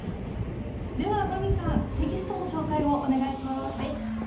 では真海さんテキストの紹介をお願いします。